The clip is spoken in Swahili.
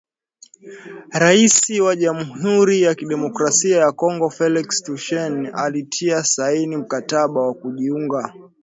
Rais wa Jamhuri ya Kidemokrasia ya Kongo Felix Tshisekedi alitia saini mkataba wa kujiunga.